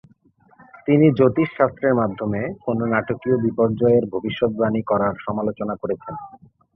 তিনি জ্যোতিষ শাস্ত্রের মাধ্যমে কোন নাটকীয় বিপর্যয়ের ভবিষ্যদ্বাণী করার সমালোচনা করেছেন।